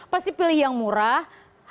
pasti pilih yang murah